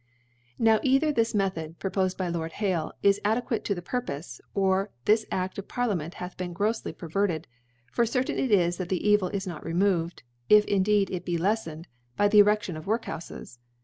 Now either this Method, propofed by Lord Hale^ is inadequate to the Purpofe ; or this A61 of Parliament hath been grofly perverted : For certain it is that the Evil is not removed, if indeed it be Icffcncd, by the Eredion of Workhoufes.